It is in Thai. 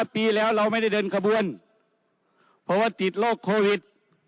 ปีแล้วเราไม่ได้เดินขบวนเพราะว่าติดโรคโควิด